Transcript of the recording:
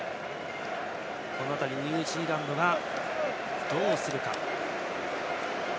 この辺り、ニュージーランドがどうするか。